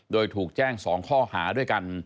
โดยถูกแจ้ง๒ข้อหาด้วยกัน